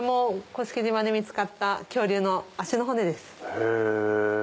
へぇ。